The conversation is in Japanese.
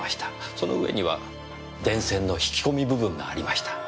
その上には電線の引き込み部分がありました。